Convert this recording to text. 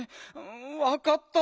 わかった。